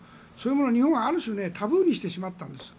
日本がある種タブーにしてしまったんですね。